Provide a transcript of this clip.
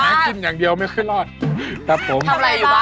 ทำอะไรบ้างอัพเดตหน่อย